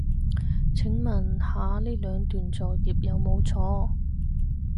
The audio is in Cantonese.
請問下呢兩段作業有冇錯